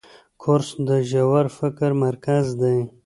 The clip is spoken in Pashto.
کورس د ژور فکر مرکز دی.